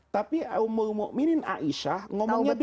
tapi ummul mu'minin aisyah ngomongnya beda